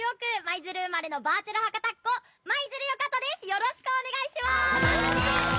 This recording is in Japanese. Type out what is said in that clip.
よろしくお願いします！